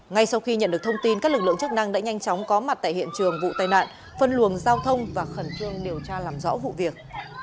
ngay sau khi nhận được thông tin các lực lượng chức năng đã nhanh chóng có mặt tại hiện trường vụ tai nạn phân luồng giao thông và khẩn trương điều tra làm rõ vụ việc